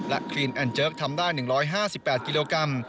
และคลีนแอนด์เจิร์คทำได้๑๕๘กิโลกรัม